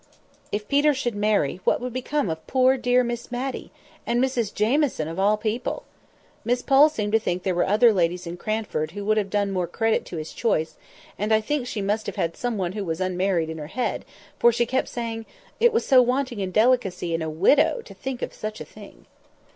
"If Peter should marry, what would become of poor dear Miss Matty? And Mrs Jamieson, of all people!" Miss Pole seemed to think there were other ladies in Cranford who would have done more credit to his choice, and I think she must have had someone who was unmarried in her head, for she kept saying, "It was so wanting in delicacy in a widow to think of such a thing."